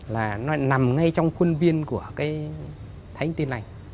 là nó nằm ngay trong khuôn viên của cái thánh tin lành